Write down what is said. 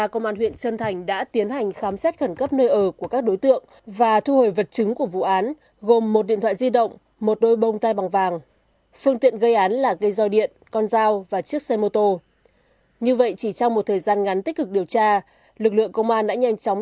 công an huyện trân thành đã tập trung lực lượng phối hợp với công an tỉnh bình phước khẩn trương triển khai các biện pháp nhiệm vụ để làm rõ vụ án